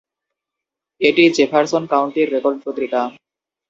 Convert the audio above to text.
এটি জেফারসন কাউন্টির রেকর্ড পত্রিকা।